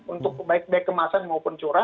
untuk baik baik kemasan maupun curah